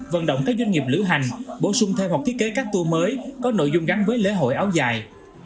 vận động các doanh nghiệp lữ hành bổ sung thêm hoặc thiết kế các tour mới có nội dung gắn với lễ hội áo dài